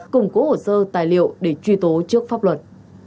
củng cố hồ sơ tài liệu để truy tố trước pháp luật